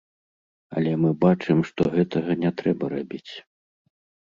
Але мы бачым, што гэтага не трэба рабіць.